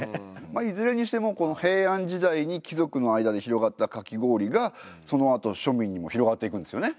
まあいずれにしてもこの平安時代に貴族の間で広がったかき氷がそのあと庶民にも広がっていくんですよね？